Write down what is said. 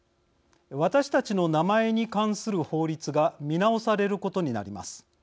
私たちの名前に関する法律が見直されることになります。